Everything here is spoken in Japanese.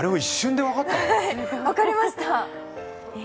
分かりました！